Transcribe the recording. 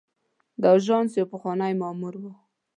د آژانس یو پخوانی مامور و.